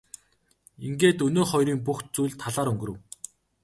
Ингээд өнөөх хоёрын бүх зүйл талаар өнгөрөв.